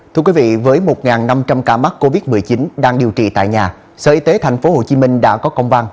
thưa quý vị với một năm trăm linh ca mắc covid một mươi chín đang điều trị tại nhà sở y tế tp hcm đã có công văn